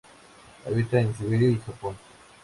Habita en Siberia y Japón.